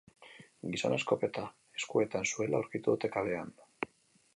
Gizona eskopeta eskuetan zuela aurkitu dute kalean.